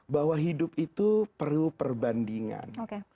bahwa hidup itu perlu perbandingan